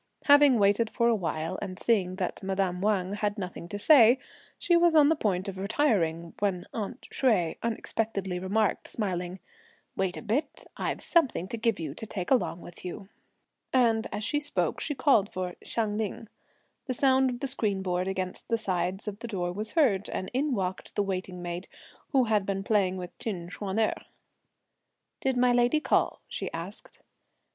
Having waited for a while, and seeing that madame Wang had nothing to say, she was on the point of retiring, when "aunt" Hsueh unexpectedly remarked smiling: "Wait a bit! I've something to give you to take along with you." And as she spoke, she called for Hsiang Ling. The sound of the screen board against the sides of the door was heard, and in walked the waiting maid, who had been playing with Chin Ch'uan erh. "Did my lady call?" she asked.